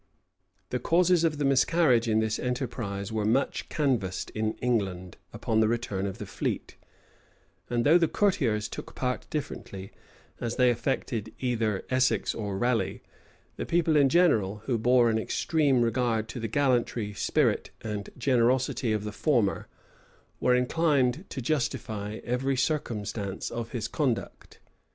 The causes of the miscarriage in this enterprise were much canvassed in England, upon the return of the fleet; and though the courtiers took part differently, as they affected either Essex or Raleigh, the people in general, who bore an extreme regard to the gallantry, spirit, and generosity of ihe former, were inclined to justify every circumstance of his conduct.